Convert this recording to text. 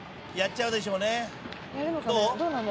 やっちゃうでしょうねどう？